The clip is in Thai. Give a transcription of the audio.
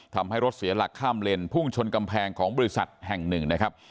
ทำให้รถเสียหลักข้ามเลนพุ่งชนกำแพงของบริษัทแห่งหนึ่งนะครับ